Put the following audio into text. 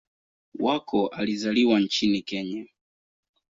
Wako alizaliwa nchini Kenya.